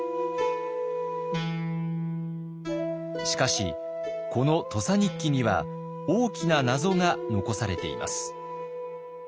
しかしこの「土佐日記」には大きな謎が残されています。